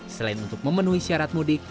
selain untuk memenuhi syarat mudik